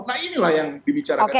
nah inilah yang dibicarakan